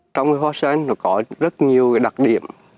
trong hoa sen có rất nhiều đặc điểm